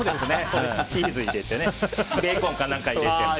チーズ入れてベーコンか何か入れて。